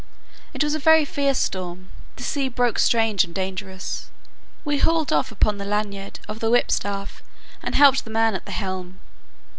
It was a very fierce storm; the sea broke strange and dangerous. We hauled off upon the laniard of the whip staff, and helped the man at the helm.